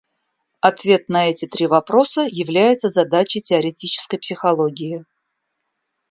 Ответ на эти три вопроса является задачей теоретической психологии.